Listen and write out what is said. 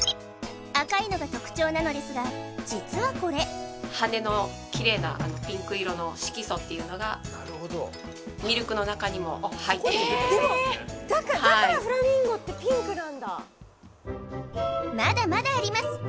赤いのが特徴なのですが実はこれ羽のキレイなピンク色の色素っていうのがミルクの中にも入ってるんですだからフラミンゴってピンクなんだまだまだあります